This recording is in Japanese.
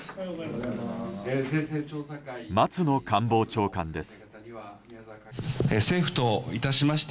松野官房長官です。